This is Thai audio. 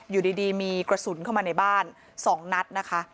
อยู่ดีมีกระสุนเข้ามาในบ้าน๒นัดนะคะ